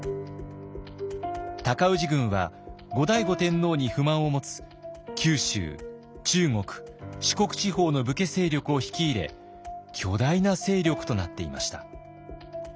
尊氏軍は後醍醐天皇に不満を持つ九州中国四国地方の武家勢力を引き入れ巨大な勢力となっていました。